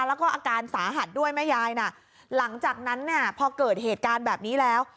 แล้วก็อาการสาหัสด้วยแม่ยายน่ะหลังจากนั้นเนี่ยพอเกิดเหตุการณ์แบบนี้แล้ว